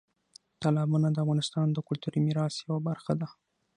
تالابونه د افغانستان د کلتوري میراث یوه برخه ده.